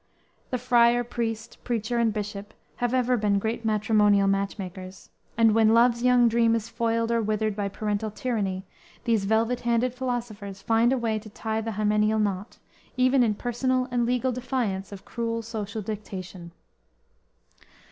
The friar, priest, preacher and bishop have ever been great matrimonial matchmakers, and when "Love's young dream" is foiled or withered by parental tyranny, these velvet handed philosophers find a way to tie the hymeneal knot, even in personal and legal defiance of cruel, social dictation.